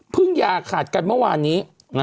เพิ่งอย่าขาดกันเมื่อวานนี้นะฮะ